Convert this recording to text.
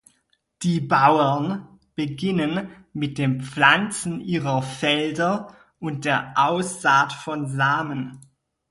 Die Bauern beginnen mit dem Pflanzen ihrer Felder und der Aussaat von Samen.